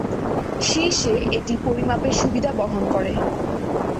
শীর্ষে, এটি পরিমাপের সুবিধা বহন করে।